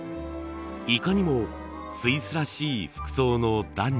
いかにもスイスらしい服装の男女。